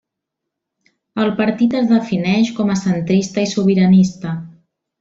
El partit es defineix com a centrista i sobiranista.